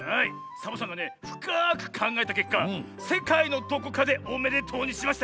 サボさんがねふかくかんがえたけっか「せかいのどこかでおめでとう！」にしましたよ！